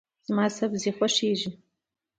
زما سبزي خوښیږي.